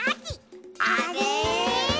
あれ？